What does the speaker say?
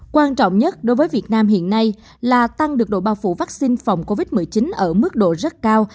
quan trọng nhất đối với việt nam hiện nay là tăng được độ bao phủ vaccine phòng covid một mươi chín ở mức độ rất cao